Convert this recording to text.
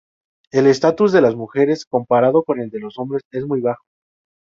El estatus de las mujeres comparado con el de los hombres es muy bajo.